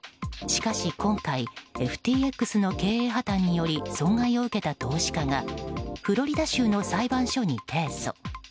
しかし今回ＦＴＸの経営破綻により損害を受けた投資家がフロリダ州の裁判所に提訴。